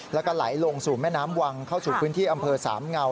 แล้วก็ไหลลงสู่แม่น้ำวังเข้าสู่พื้นที่อำเภอสามเงา